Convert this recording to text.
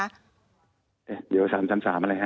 ๓๓๓อะไรฮะ